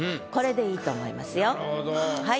これでいいと思いますよ。